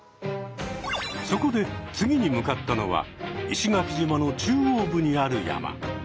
そこで次に向かったのは石垣島の中央部にある山。